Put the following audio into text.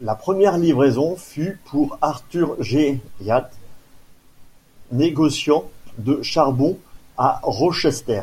La première livraison fut pour Arthur G Yates, négociant de charbon à Rochester.